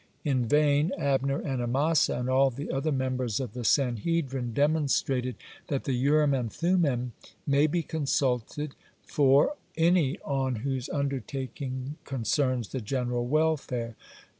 In vain Abner and Amasa and all the other members of the Sanhedrin demonstrated that the Urim and Thummim may be consulted for any on whose undertaking concerns the general welfare.